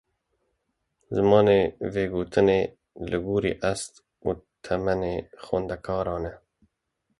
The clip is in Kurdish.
Zimanê vegotinê li gorî ast û temenê xwendekaran e?